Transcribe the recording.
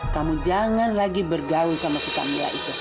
kamu jangan lagi bergaul sama si camilla itu